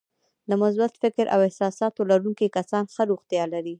د مثبت فکر او احساساتو لرونکي کسان ښه روغتیا لري.